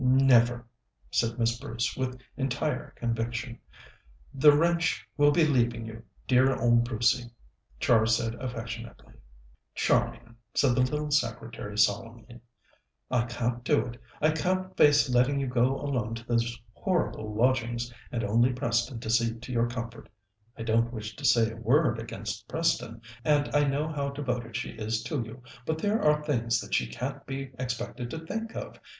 "Never!" said Miss Bruce with entire conviction. "The wrench will be leaving you, dear old Brucey," Char said affectionately. "Charmian," said the little secretary solemnly, "I can't do it. I can't face letting you go alone to those horrible lodgings, and only Preston to see to your comfort. I don't wish to say a word against Preston, and I know how devoted she is to you, but there are things that she can't be expected to think of.